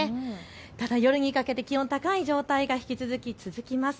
ただ夜にかけて気温、高い状態が引き続き続きます。